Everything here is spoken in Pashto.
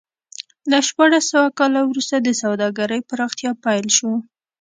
له شپاړس سوه کال وروسته د سوداګرۍ پراختیا پیل شو.